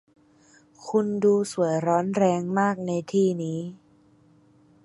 คุณดูสวยร้อนแรงมากในที่นี้